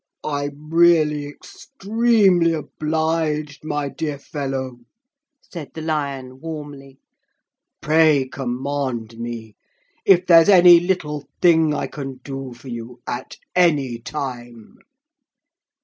'I'm really extremely obliged, my dear fellow,' said the lion warmly. 'Pray command me, if there's any little thing I can do for you at any time.'